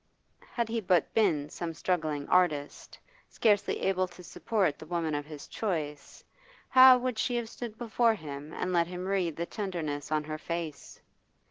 Had he but been some struggling artist, scarce able to support the woman of his choice, how would she have stood before him and let him read the tenderness on her face!